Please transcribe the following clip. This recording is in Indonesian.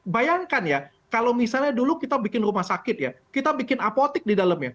bayangkan ya kalau misalnya dulu kita bikin rumah sakit ya kita bikin apotik di dalamnya